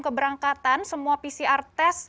keberangkatan semua pcr test